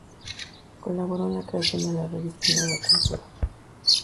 Colaboró en la creación de la revista Nueva Cultura.